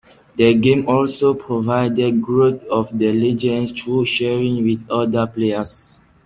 The game also provided growth of the Legendz through sharing with other players.